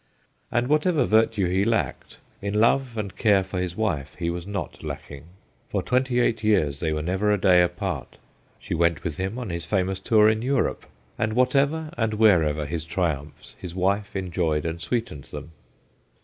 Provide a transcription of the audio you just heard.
And whatever virtue he lacked, in love and care for his wife he was not lacking. For twenty eight years they were never a day apart. She went with him on his famous tour in Europe, and whatever and wherever his triumphs his wife enjoyed and sweetened them.